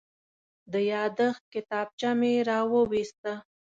د یادښت کتابچه مې راوویسته.